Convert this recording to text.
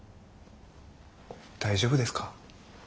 大丈夫ですか？